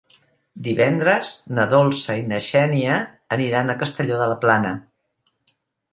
Divendres na Dolça i na Xènia aniran a Castelló de la Plana.